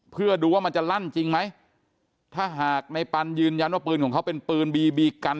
เพื่อดูว่ามันจะลั่นจริงไหมถ้าหากในปันยืนยันว่าปืนของเขาเป็นปืนบีบีกัน